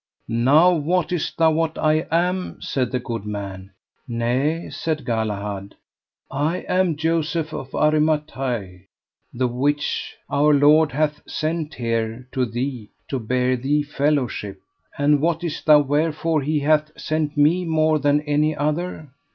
Now wottest thou what I am? said the good man. Nay, said Galahad. I am Joseph of Aramathie, the which Our Lord hath sent here to thee to bear thee fellowship; and wottest thou wherefore that he hath sent me more than any other?